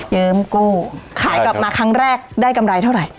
กู้ขายกลับมาครั้งแรกได้กำไรเท่าไหร่